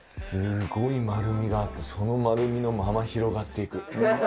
すごい丸みがあってその丸みのまま広がって行く。